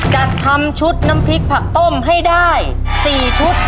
จัดทำชุดน้ำพริกผักต้มให้ได้๔ชุด